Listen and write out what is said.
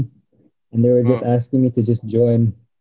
dan mereka cuma minta gue untuk sertai